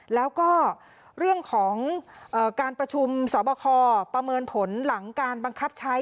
แล้วก็เรื่องของการประชุมสอบคอประเมินผลหลังการบังคับใช้